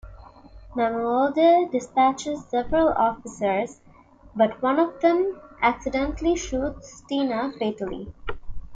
Mamuwalde dispatches several officers, but one of them accidentally shoots Tina fatally.